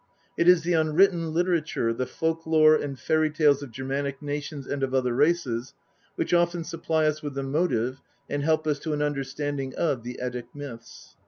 It is the unwritten literature, the folk lore and fairy tales of Germanic nations and of other races, which often supply us with the motive, and help us to an understanding of the Eddie myths.